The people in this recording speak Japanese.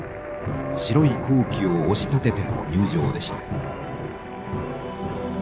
白い校旗を押し立てての入場でした。